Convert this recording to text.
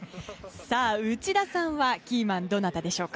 内田さんはキーマンはどなたでしょうか？